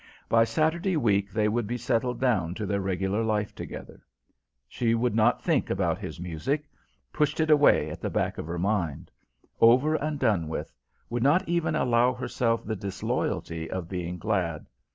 By Saturday week they would be settled down to their regular life together. She would not think about his music; pushed it away at the back of her mind over and done with would not even allow herself the disloyalty of being glad.